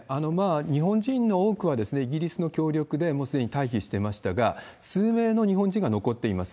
日本人の多くは、イギリスの協力でもうすでに退避していましたが、数名の日本人が残っています。